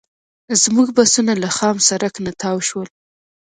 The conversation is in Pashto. زموږ بسونه له خام سړک نه تاو شول.